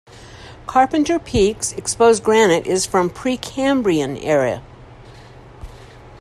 Carpenter Peak's exposed granite is from Precambrian era.